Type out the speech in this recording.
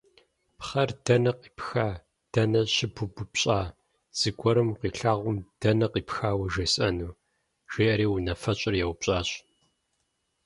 «Пхъэр дэнэ къипха, дэнэ щыпыбупщӏа, зыгуэрым укъилъагъум дэнэ къипхауэ жесӏэну?» – жиӏэри унафэщӏыр еупщӏащ.